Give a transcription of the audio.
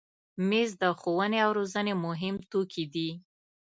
مېز د ښوونې او روزنې مهم توکي دي.